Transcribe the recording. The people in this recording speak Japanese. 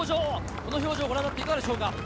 この表情をご覧になっていかがですか？